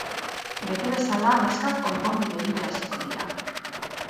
Beti bezala, neskak konponbide bila hasiko dira.